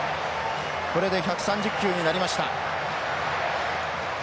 これで１３０球になりました。